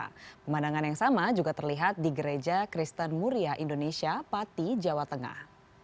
pemandangan yang sama juga terlihat di gereja kristen muriah indonesia pati jawa tengah